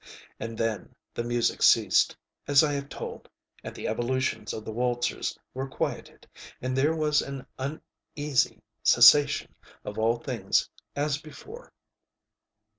And then the music ceased, as I have told; and the evolutions of the waltzers were quieted; and there was an uneasy cessation of all things as before.